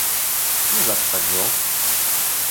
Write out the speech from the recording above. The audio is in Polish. Nie zawsze tak było